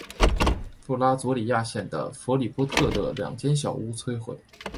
布拉佐里亚县的弗里波特的两间小屋摧毁。